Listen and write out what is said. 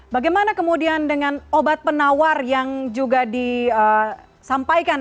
bagaimana kemudian dengan obat penawar yang juga disampaikan